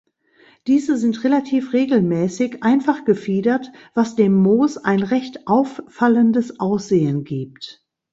Diese sind relativ regelmäßig einfach gefiedert, was dem Moos ein recht auffallendes Aussehen gibt.